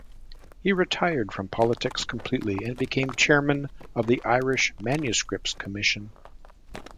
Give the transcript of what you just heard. He retired from politics completely and became Chairman of the Irish Manuscripts Commission.